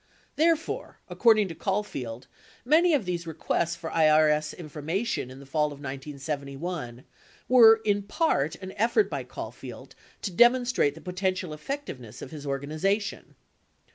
55 There fore, according to Caulfield, many of these requests for IRS informa tion in the fall of 1971 were in part an effort by Caulfield to demon strate the potential effectiveness of his organization.